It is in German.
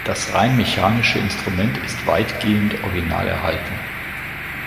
Das rein mechanische Instrument ist weitgehend original erhalten.